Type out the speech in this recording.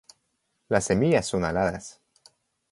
Las semillas son aladas.